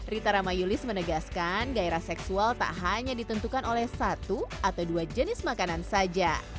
rita ramayulis menegaskan gairah seksual tak hanya ditentukan oleh satu atau dua jenis makanan saja